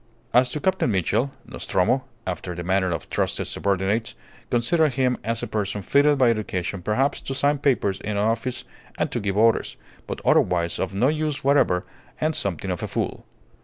As to Captain Mitchell, Nostromo, after the manner of trusted subordinates, considered him as a person fitted by education perhaps to sign papers in an office and to give orders, but otherwise of no use whatever, and something of a fool.